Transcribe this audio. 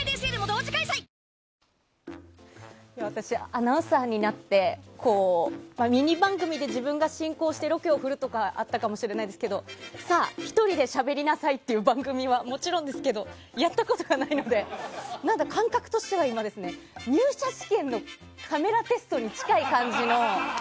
アナウンサーになってミニ番組で自分が進行してロケをするとかあったかもしれないですけどさあ、１人でしゃべりなさいっていう番組はもちろんですけどやったことがないので感覚としては今入社試験のカメラテストに近い感じの。